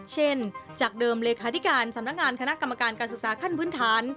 เช่นจากเดิมเลขาธิการสำนักงานคณะกรรมการการศึกษาขั้นพื้นฐาน